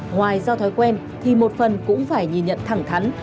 ngoài do thói quen thì một phần cũng phải nhìn nhận thẳng thắn